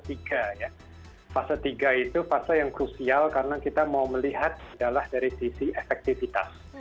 jadi fase tiga itu fase yang krusial karena kita mau melihat segala dari sisi efektivitas